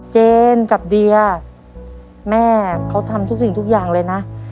เจนกับเดียแม่เขาทำทุกสิ่งทุกอย่างเลยนะ